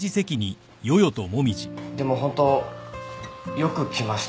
でもホントよく来ましたね。